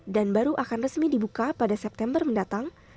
baru akan resmi dibuka pada september mendatang